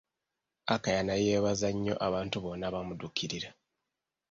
Akaya naye yeebaza nnyo abantu bonna abaamuddukirira.